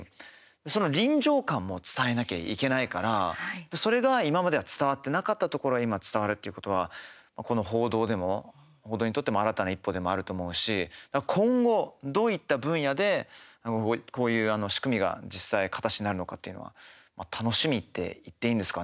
その臨場感も伝えなきゃいけないからそれが今までは伝わってなかったところが今、伝わるということはこの報道でも、報道にとっても新たな一歩でもあると思うし今後、どういった分野でこういう仕組みが実際、形になるのかというのが楽しみって言っていいんですかね